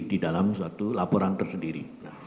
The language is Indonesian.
di dalam suatu laporan tersendiri